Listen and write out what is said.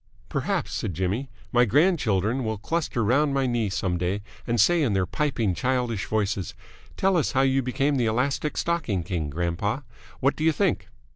"Perhaps," said Jimmy, "my grandchildren will cluster round my knee some day and say in their piping, childish voices, 'Tell us how you became the Elastic Stocking King, grandpa!' What do you think?"